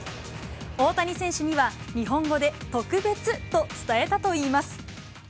大谷選手には、日本語で特別と伝えたといいます。